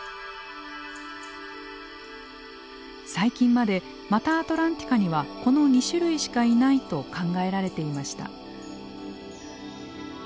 最近までマタアトランティカにはこの２種類しかいないと考えられていました。